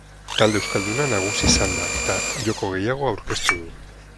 Talde euskalduna nagusi izan da eta joko gehiago aurkeztu du.